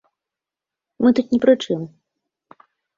Мы тут ні пры чым.